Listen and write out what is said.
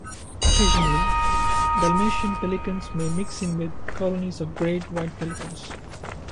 Occasionally, Dalmatian pelicans may mix in with colonies of great white pelicans.